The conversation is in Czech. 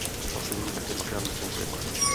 Stal se v ní také dvakrát mistrem světa.